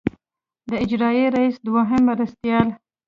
د اجرائیه رییس دوهم مرستیال.